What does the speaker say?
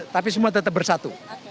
tapi semua tetap bersatu